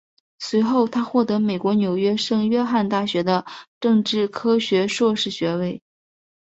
随后他获得美国纽约圣约翰大学的政治科学硕士学位。